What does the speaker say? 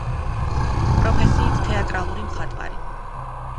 პროფესიით თეატრალური მხატვარი.